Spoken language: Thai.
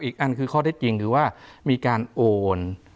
อีกอันคือข้อได้จริงคือว่ามีการโอน